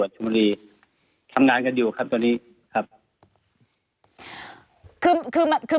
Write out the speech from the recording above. วรรค์ชุมฮรีทำงานกันอยู่ครับตอนนี้ครับคือคือคือคือ